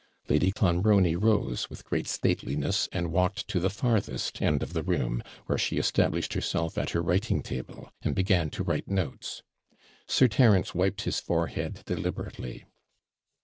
Lady Clonbrony rose, with great stateliness, and walked to the farthest end of the room, where she established herself at her writing table, and began to write notes. Sir Terence wiped his forehead deliberately.